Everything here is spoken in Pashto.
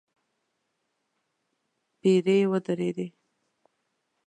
پيرې ودرېدې.